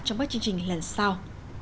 trong các chương trình lần sau